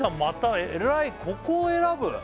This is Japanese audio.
またえらいここを選ぶ？